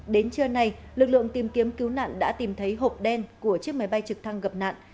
đến trưa nay lực lượng tìm kiếm cứu nạn đã tìm thấy hộp đen của chiếc máy bay trực thăng gặp nạn